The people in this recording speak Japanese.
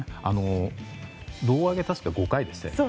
胴上げ確か５回でしたよね。